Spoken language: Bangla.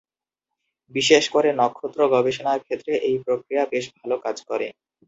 বিশেষ করে নক্ষত্র গবেষণার ক্ষেত্রে এই প্রক্রিয়া বেশ ভালো কাজ করে।